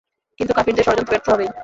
কিন্তু কাফিরদের ষড়যন্ত্র ব্যর্থ হবেই।